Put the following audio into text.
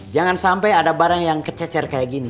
jangan sampai ada barang yang kececer kayak gini